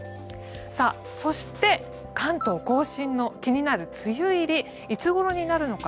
そして、関東・甲信の気になる梅雨入りいつごろになるのか。